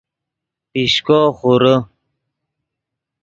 پیشکو خورے